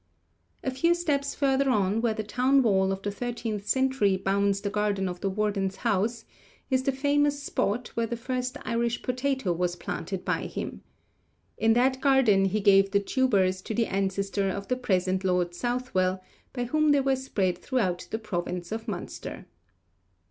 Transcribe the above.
A few steps further on, where the town wall of the thirteenth century bounds the garden of the Warden's house, is the famous spot where the first Irish potato was planted by him. In that garden he gave the tubers to the ancestor of the present Lord Southwell, by whom they were spread throughout the province of Munster.